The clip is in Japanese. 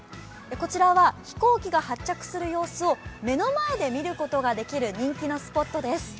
こちらは飛行機が発着する様子を目の前で見ることができる人気のスポットです。